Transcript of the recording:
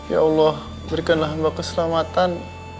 ya allah berikanlah mbak keselamatan